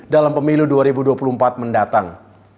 dalam pemilu dua ribu dua puluh empat mendatang